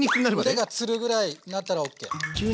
腕がつるぐらいになったらＯＫ。